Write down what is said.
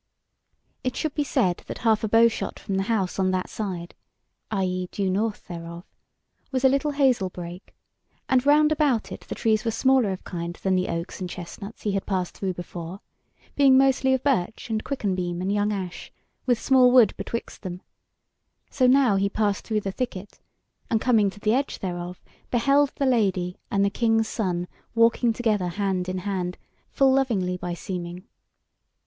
It should be said that half a bow shot from the house on that side (i.e. due north thereof) was a little hazel brake, and round about it the trees were smaller of kind than the oaks and chestnuts he had passed through before, being mostly of birch and quicken beam and young ash, with small wood betwixt them; so now he passed through the thicket, and, coming to the edge thereof, beheld the Lady and the King's Son walking together hand in hand, full lovingly by seeming.